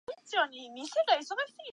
様子を見に来たら、このありさまでした。